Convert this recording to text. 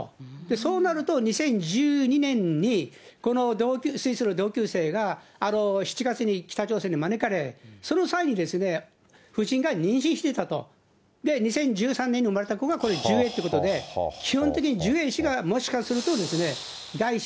そうなると２０１２年に、このスイスの同級生が、７月に北朝鮮に招かれ、その際に夫人が妊娠していたと、２０１３年に生まれた子がこれ、ジュエってことで、基本的にジュエ氏が、もしかすると第１子。